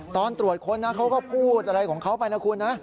ตอนตรวจค้นนะเขาก็พูดอะไรของเขาไปนะคุณนะ